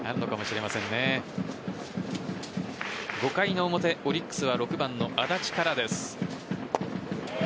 ５回の表、オリックスは６番の安達からです。